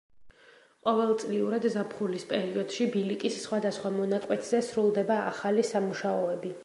ყოველწლიურად ზაფხულის პერიოდში ბილიკის სხვადასხვა მონაკვეთზე სრულდება ახალი სამუშაოები.